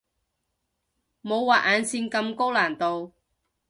冇畫眼線咁高難度